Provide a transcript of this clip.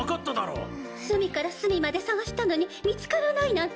隅から隅まで捜したのに見つからないなんて。